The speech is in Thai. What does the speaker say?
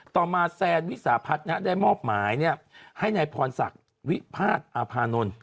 ต่อมาแซนวิสาพัฒน์ได้มอบหมายให้นายพรศักดิ์วิพาทอาพานนท์